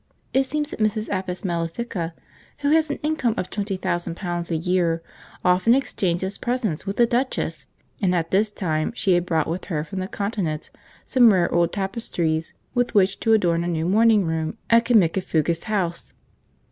It seems that Mrs. Apis Mellifica, who has an income of 20,000 pounds a year, often exchanges presents with the duchess, and at this time she had brought with her from the Continent some rare old tapestries with which to adorn a new morning room at Cimicifugas House.